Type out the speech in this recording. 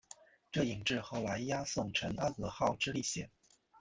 这引致后来伊阿宋乘阿格号之历险。